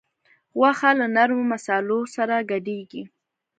غوښه یې له نرمو مصالحو سره ګډیږي.